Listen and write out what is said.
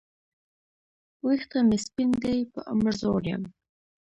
وېښته مي سپین دي په عمر زوړ یم